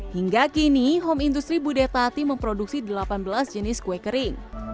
hingga kini home industry budetati memproduksi delapan belas jenis kue kering